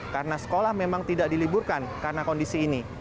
karena sekolah memang tidak diliburkan karena kondisi ini